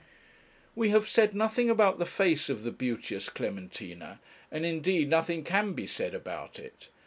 We have said nothing about the face of the beauteous Clementina, and indeed nothing can be said about it.